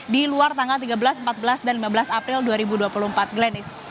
di luar tanggal tiga belas empat belas dan lima belas april dua ribu dua puluh empat glennis